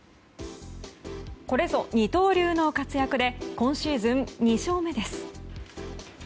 これぞ二刀流の活躍で今シーズン２勝目です。